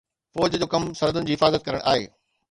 فوج جو ڪم سرحدن جي حفاظت ڪرڻ آهي